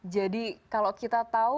jadi kalau kita tahu